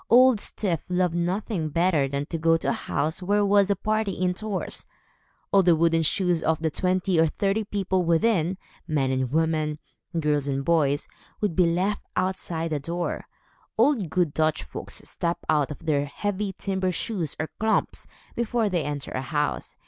Old Styf loved nothing better than to go to a house where was a party indoors. All the wooden shoes of the twenty or thirty people within, men and women, girls and boys, would be left outside the door. All good Dutch folks step out of their heavy timber shoes, or klomps, before they enter a house.